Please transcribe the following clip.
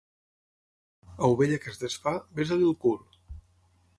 Ovella que es desfà, besa-li el cul.